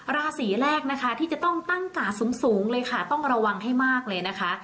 ราศีแรกนะคะที่จะต้องตั้งกาดสูงเลยค่ะต้องระวังให้มากเลยนะคะ